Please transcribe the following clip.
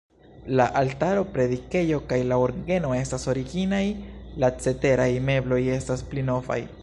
La altaro, predikejo kaj la orgeno estas originaj, la ceteraj mebloj estas pli novaj.